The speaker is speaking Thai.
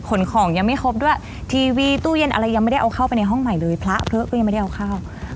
ของยังไม่ครบด้วยทีวีตู้เย็นอะไรยังไม่ได้เอาเข้าไปในห้องใหม่เลยพระเผลอก็ยังไม่ได้เอาเข้า